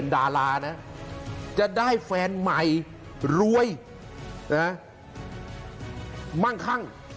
ดารานะจะได้แฟนใหม่รวยนะมั่งคั่ง